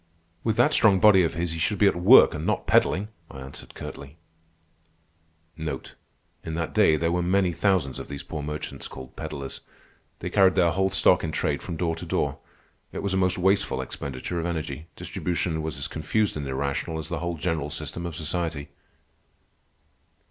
"With that strong body of his he should be at work, and not peddling," I answered curtly. In that day there were many thousands of these poor merchants called pedlers. They carried their whole stock in trade from door to door. It was a most wasteful expenditure of energy. Distribution was as confused and irrational as the whole general system of society.